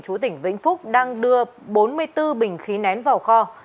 chú tỉnh vĩnh phúc đang đưa bốn mươi bốn bình khí nén vào kho